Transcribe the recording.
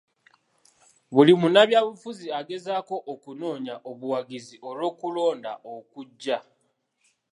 Buli munnabyabufuzi agezaako okunoonya obuwagizi olw'okulonda okujja.